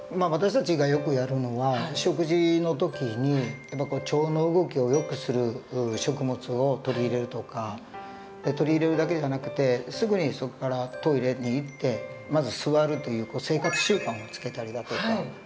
私たちがよくやるのは食事の時に腸の動きをよくする食物を取り入れるとか取り入れるだけじゃなくてすぐにそこからトイレに行ってまず座るという生活習慣をつけたりだとか。